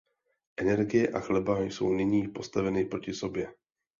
Energie a chleba jsou nyní postaveny proti sobě.